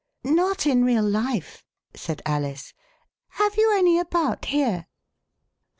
Not ia real life," said Alice. " Have you any about here ?